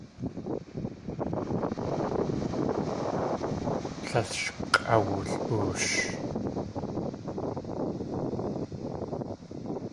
Tlél sh k̲ʼawul.oosh.